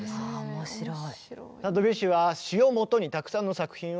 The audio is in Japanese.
面白い。